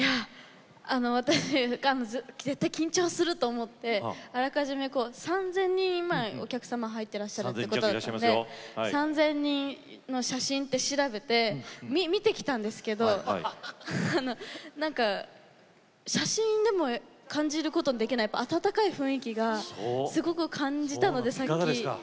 私、絶対緊張すると思ってあらかじめ３０００人、今お客さん入ってらっしゃるということで３０００人の写真を調べて見てきたんですけれど、なんか写真でも感じることができない温かい雰囲気をすごく感じたので、さっき。